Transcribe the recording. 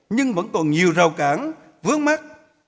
nhưng vẫn còn nhiều rào cản vướng mắc